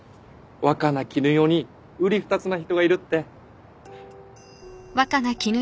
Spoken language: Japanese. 若菜絹代にうり二つな人がいるって。